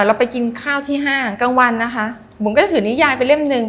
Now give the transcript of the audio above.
เราไปกินข้าวที่ห้างกลางวันนะคะบุ๋มก็จะถือนิยายไปเล่มหนึ่ง